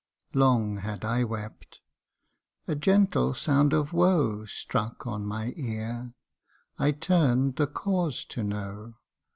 Long had I wept : a gentle sound of woe Struck on my ear I turn'd the cause to know.